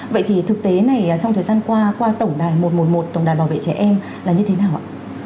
vậy thì thực tế này trong thời gian qua qua tổng đài một trăm một mươi một tổng đài bảo vệ trẻ em là như thế nào ạ